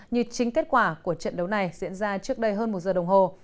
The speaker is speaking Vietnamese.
như chính kết quả của trận đấu này diễn ra trước đây hơn một giờ đồng hồ